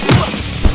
lo sudah bisa berhenti